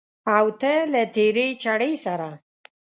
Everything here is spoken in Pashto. او ته له تېرې چړې سره